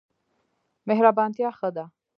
مهربانتیا ښه ده.